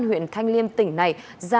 huyện thanh liêm tỉnh này